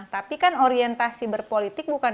tapi kan orientasi berpolitik bukan